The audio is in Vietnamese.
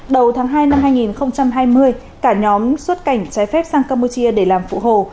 đầu tháng hai năm hai nghìn hai mươi cả nhóm xuất cảnh trái phép sang campuchia để làm phụ hồ